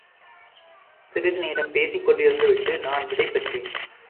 சிறிது நேரம் பேசிக் கொண்டிருந்து விட்டு நான் விடைபெற்றேன்.